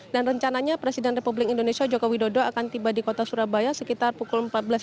dan rencananya presiden republik indonesia joko widodo akan tiba di kota surabaya sekitar pukul empat belas tiga puluh